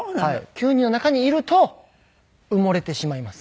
９人の中にいると埋もれてしまいます。